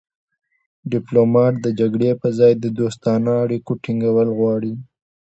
ډیپلومات د جګړې پر ځای د دوستانه اړیکو ټینګول غواړي